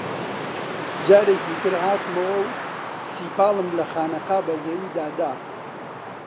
جارێکی تر هاتمەوە و سیپاڵم لە خانەقا بە زەویدا دا